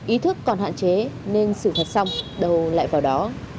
ý thức còn hạn chế nên xử phạt xong đầu lại vào đó